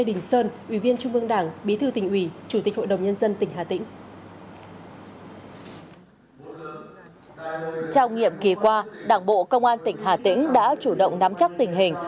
trong nhiệm kỳ qua đảng bộ công an tỉnh hà tĩnh đã chủ động nắm chắc tình hình